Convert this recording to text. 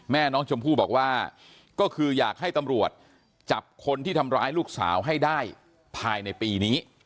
แม่น้องชมพู่บอกว่าก็คืออยากให้ตำรวจจับคนที่ทำร้ายลูกสาวให้ได้ภายในปีนี้